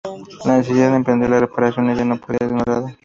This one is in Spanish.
La necesidad de emprender reparaciones ya no podía ser ignorada.